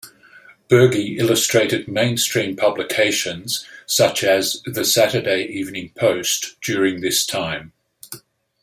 Bergey illustrated mainstream publications, such as "The Saturday Evening Post", during this time.